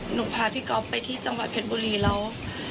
หนูพาพี่ก๊อฟไปที่จังหวัดเพชรบุรีแล้ว